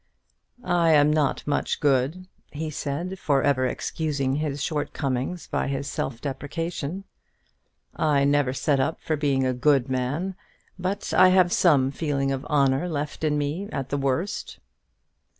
"I am not much good," he said: for ever excusing his shortcomings by his self depreciation. "I never set up for being a good man; but I have some feeling of honour left in me at the worst."